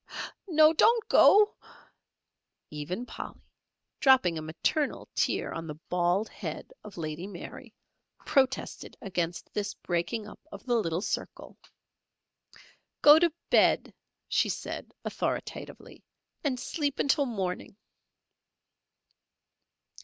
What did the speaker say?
"No, don't go!" Even Polly (dropping a maternal tear on the bald head of Lady Mary) protested against this breaking up of the little circle. "Go to bed," she said, authoritatively, "and sleep until morning."